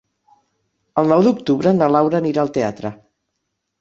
El nou d'octubre na Laura anirà al teatre.